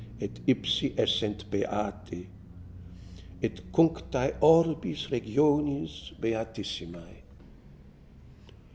Et ipsi essent beati, Et cunctse orbis regiones beatissimse.